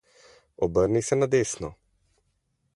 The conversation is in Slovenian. Obrni se na desno.